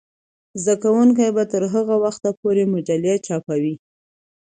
زده کوونکې به تر هغه وخته پورې مجلې چاپوي.